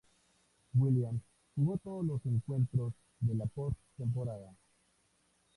Williams jugó todos los encuentros de la post temporada.